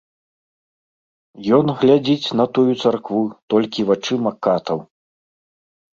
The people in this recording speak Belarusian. Ён глядзіць на тую царкву толькі вачыма катаў.